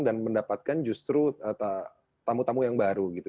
dan mendapatkan justru tamu tamu yang baru gitu